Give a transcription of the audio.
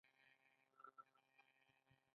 ایا پوډر زما مخ ته تاوان لري؟